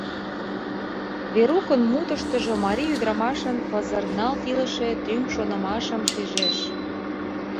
Верукын мутыштыжо марий ӱдырамашын пызырналт илыше тӱҥ шонымашым шижеш.